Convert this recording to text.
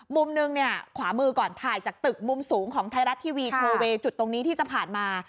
มุมนึงเนี่ยขวามือก่อนถ่ายจากตึกมุมสูงของไทยรัฐทีวีโทเวย์จุดตรงนี้ที่จะผ่านมา